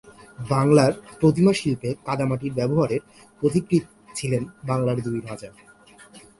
বাংলার প্রতিমা শিল্পে কাদামাটির ব্যবহারের পথিকৃৎ ছিলেন বাংলার দুই রাজা।